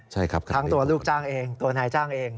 ใช่ครับทั้งตัวลูกจ้างเองตัวนายจ้างเอง